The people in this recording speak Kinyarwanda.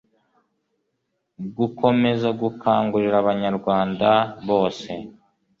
gukomeza gukangurira abanyarwanda bose